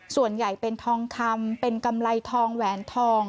ส่วนใหญ่เป็นทองคำเป็นกำไรทองแหวนทอง